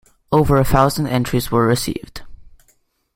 Over a thousand entries were received.